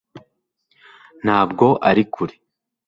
ntabwo ari kure